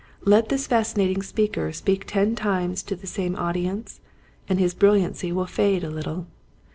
Let this fascinating speaker speak ten times to the same audience and his bril liancy will fade a little.